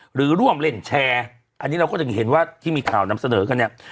หรือร่วมเล่นแชร์อันนี้เราก็ถึงเห็นว่าที่มีข่าวนำเสนอกันเนี่ย